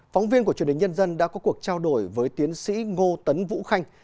phóng viên của truyền hình nhân dân đã có cuộc trao đổi với tiến sĩ ngô tấn vũ khanh